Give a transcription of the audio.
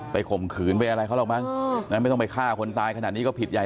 ไปข่มขืนอะไรเขาล่ะบ้างไม่ต้องไปฆ่าคนตายขนาดนี้ก็ผิดใย